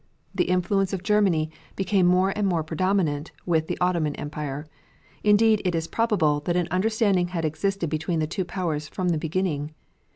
The influence of Germany became more and more preponderant with the Ottoman Empire; indeed, it is probable that an understanding had existed between the two powers from the beginning.